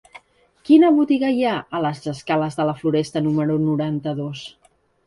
Quina botiga hi ha a les escales de la Floresta número noranta-dos?